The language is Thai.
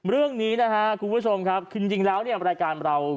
เรื่องนี้นะฮะคุณผู้ชมคือนรายการของเรา